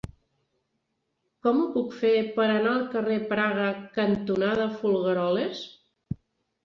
Com ho puc fer per anar al carrer Praga cantonada Folgueroles?